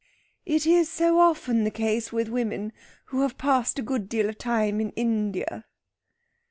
"It is so often the case with women who have passed a good deal of time in India."